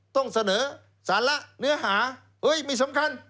ต้องเสนอสาระเนื้อหาเฮ้ยไม่สำคัญ